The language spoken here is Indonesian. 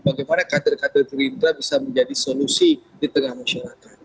bagaimana kader kader gerindra bisa menjadi solusi di tengah masyarakat